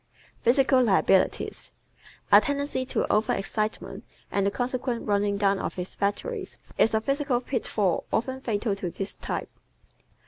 Physical Liabilities ¶ A tendency to over excitement and the consequent running down of his batteries is a physical pitfall often fatal to this type.